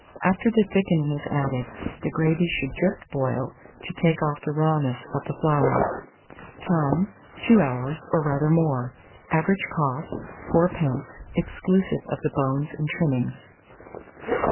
After the thickening is added, the gravy should just boil, to take off the rawness of the flour. Time. 2 hours, or rather more. Average cost, 4d., exclusive of the bones and trimmings.